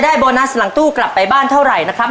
ได้โบนัสกลับไปบ้านเท่าไหร่นะครับ